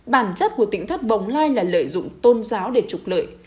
bản chất của tỉnh thất bồng lai là lợi dụng tôn giáo để trục lợi